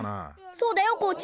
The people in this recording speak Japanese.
そうだよコーチ。